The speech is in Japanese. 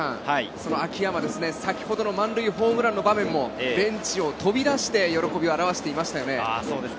先ほどの満塁ホームランの場面もベンチを飛び出して、喜びを表していました、秋山です。